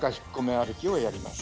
歩きをやります。